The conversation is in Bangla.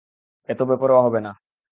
এত বেপরোয়া হবে না।